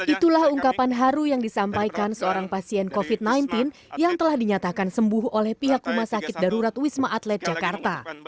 itulah ungkapan haru yang disampaikan seorang pasien covid sembilan belas yang telah dinyatakan sembuh oleh pihak rumah sakit darurat wisma atlet jakarta